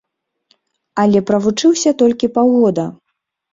Але правучыўся толькі паўгода.